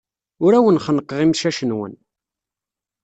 Ur awen-xennqeɣ imcac-nwen.